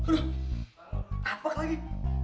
loh apak lagi